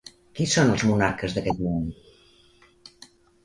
Qui són els monarques d'aquest món?